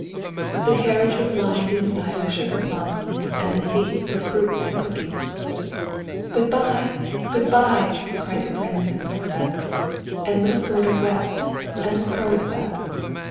The carriage was lined inside with sugar plums, and in the seats were fruits and cookies. "Good by! good by!" cried Prince and Princess; and little Gerda wept, and the Crows wept.